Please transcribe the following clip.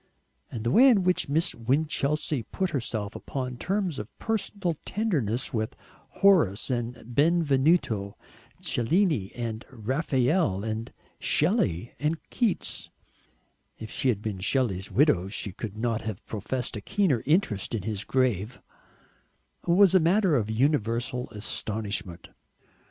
And the way in which Miss Winchelsea put herself upon terms of personal tenderness with Horace and Benvenuto Cellini and Raphael and Shelley and Keats if she had been Shelley's widow she could not have professed a keener interest in his grave was a matter of universal astonishment.